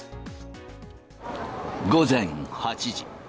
午前８時。